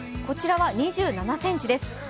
こちらは２７ｃｍです。